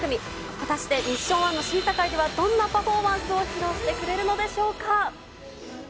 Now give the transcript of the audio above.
果たしてミッション１の審査会では、どんなパフォーマンスを披露してくれるのでしょうか。